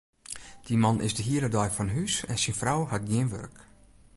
Dy man is de hiele dei fan hús en syn frou hat gjin wurk.